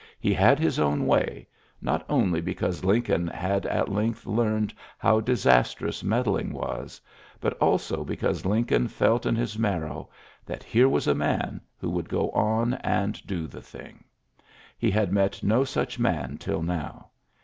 He hs his own way, not only because Lincol had at length learned how disastroi meddling was, but also because linco] felt in his marrow that here was a ms who would go on and do the thing. £ had met no such man till now.